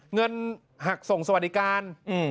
เงินหักส่งสวัสดิการ